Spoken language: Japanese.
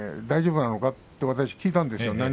大丈夫なのかと聞いたんですよ。